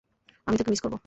আমি তোকে মিস করব।